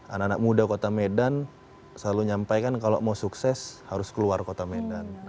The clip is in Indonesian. anak anak muda kota medan selalu nyampaikan kalau mau sukses harus keluar kota medan